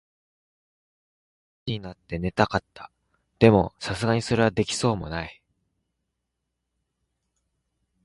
大の字になって寝たかった。でも、流石にそれはできそうもない。